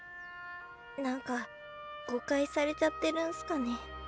何か誤解されちゃってるんすかね。